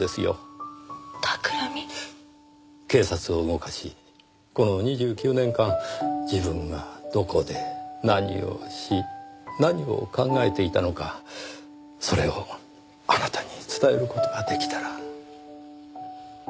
警察を動かしこの２９年間自分がどこで何をし何を考えていたのかそれをあなたに伝える事が出来たら。